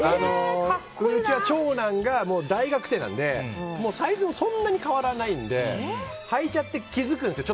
うちは長男が大学生なのでサイズもそんなに変わらないのではいちゃって気づくんですよ